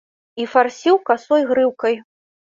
І фарсіў касой грыўкай.